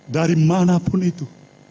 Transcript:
dari manapun itu